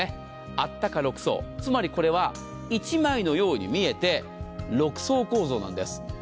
あったか６層つまりこれは１枚のように見えて６層構造なんです。